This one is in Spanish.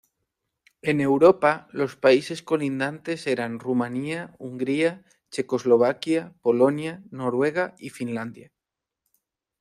En Europa los países colindantes eran Rumanía, Hungría, Checoslovaquia, Polonia, Noruega y Finlandia.